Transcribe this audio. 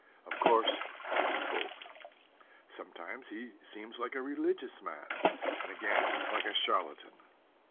Of course he was both. Sometimes he seems like a religious man, and again, like a charlatan.